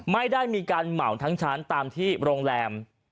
ไม่ได้มีการเหมาทั้งชั้นตามที่โรงแรม